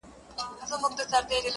موږكانو ته معلوم د پيشو زور وو.!